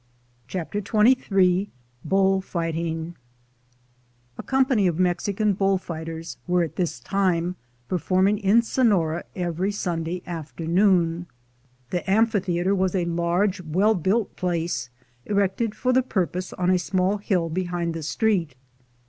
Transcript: CHAPTER XXIII BULL FIGHTING A COMPANY of Mexican bull fighters were at this time performing in Sonora every Sunday afternoon. The amphitheater was a large well built place, erected for the purpose on a small hill be hind the street.